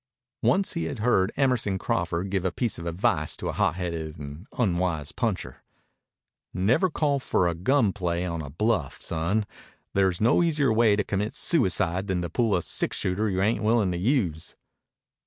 Once he had heard Emerson Crawford give a piece of advice to a hotheaded and unwise puncher. "Never call for a gun play on a bluff, son. There's no easier way to commit suicide than to pull a six shooter you ain't willin' to use."